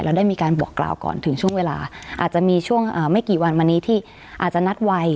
แล้วได้มีการบอกกล่าวก่อนถึงช่วงเวลาอาจจะมีช่วงไม่กี่วันมานี้ที่อาจจะนัดไว